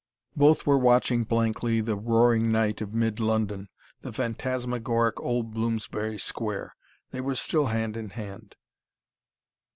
Both were watching blankly the roaring night of mid London, the phantasmagoric old Bloomsbury Square. They were still hand in hand.